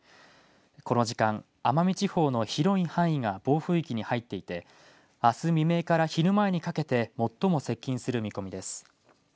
この時間、奄美地方の広い範囲が暴風域に入っていてあす未明から昼前にかけて最も接近する見込みです。